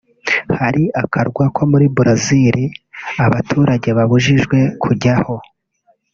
Hari akarwa ko muri Brazil abaturage babujijwe kujyaho